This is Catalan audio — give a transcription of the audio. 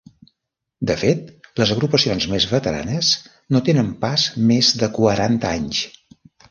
De fet, les agrupacions més veteranes no tenen pas més de quaranta anys.